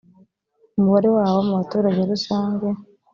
umubare wabo mu baturage rusange